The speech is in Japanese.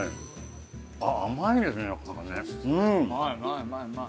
うまいうまいうまいうまい！